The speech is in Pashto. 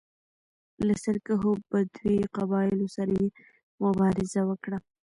له سرکښو بدوي قبایلو سره یې مبارزه وکړه